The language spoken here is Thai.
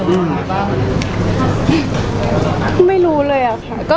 แต่จริงแล้วเขาก็ไม่ได้กลิ่นกันว่าถ้าเราจะมีเพลงไทยก็ได้